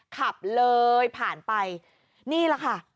ขับเลยผ่านไปนี่แหละค่ะ